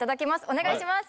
お願いします